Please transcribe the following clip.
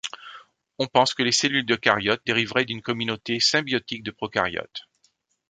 On pense que les cellules d'eucaryotes dériveraient d'une communauté symbiotiques de procaryotes.